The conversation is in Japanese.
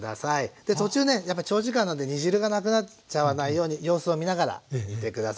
で途中ねやっぱり長時間なんで煮汁がなくなっちゃわないように様子を見ながら煮て下さいね。